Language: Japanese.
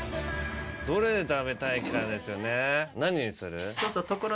どれ食べたいかですよね